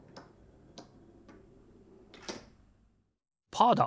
パーだ！